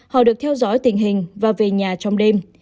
họ được theo dõi tình hình và về nhà trong đêm